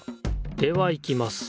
ではいきます。